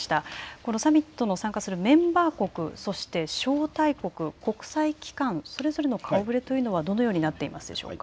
このサミットに参加するメンバー国、そして招待国、国際機関、それぞれの顔触れというのはどのようになっていますでしょうか。